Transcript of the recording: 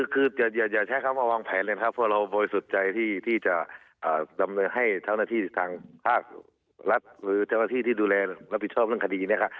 คืออย่าใช้คำว่าวางแผนเลยนะครับเพราะเราบริสุทธิ์ใจที่จะดำเนินให้เจ้าหน้าที่ทางภาครัฐหรือเจ้าหน้าที่ที่ดูแลรับผิดชอบเรื่องคดีนะครับ